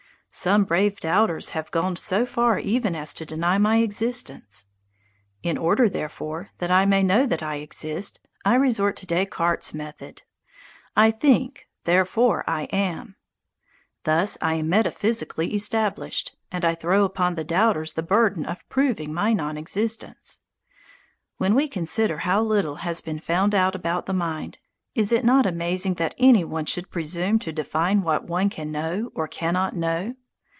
Some brave doubters have gone so far even as to deny my existence. In order, therefore, that I may know that I exist, I resort to Descartes's method: "I think, therefore I am." Thus I am metaphysically established, and I throw upon the doubters the burden of proving my non existence. When we consider how little has been found out about the mind, is it not amazing that any one should presume to define what one can know or cannot know?